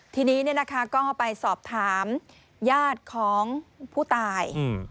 ทีนี้ก็ไปสอบถามญาติของผู้ตาย